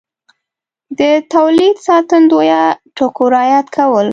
د تولید ساتندویه ټکو رعایت کول